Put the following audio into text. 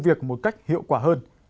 và làm công việc một cách hiệu quả hơn